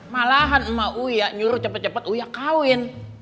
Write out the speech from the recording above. malahan emak uya nyuruh cepet cepet uya kawin